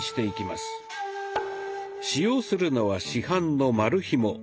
使用するのは市販の丸ひも。